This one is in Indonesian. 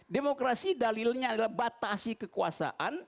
demokrasi dalilnya adalah batasi kekuasaan